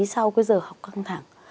sau cái giờ học căng thẳng